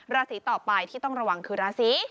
ราศีต่อไปที่ต้องระวังคือราศี